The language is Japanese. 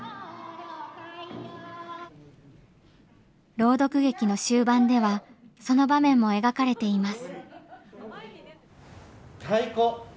朗読劇の終盤ではその場面も描かれています。